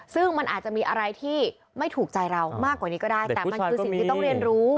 ซึ่งมันอาจจะมีอะไรที่ไม่ถูกใจเรามากกว่านี้ก็ได้แต่มันคือสิ่งที่ต้องเรียนรู้